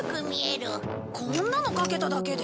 こんなのかけただけで？